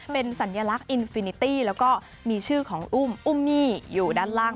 เป็นสัญลักษณ์อินฟินิตี้แล้วก็มีชื่อของอุ้มอุ้มมี่อยู่ด้านล่าง